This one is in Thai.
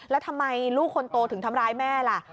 แล้วทำไมลูกคนโตถึงทำร้ายแม่ล่ะ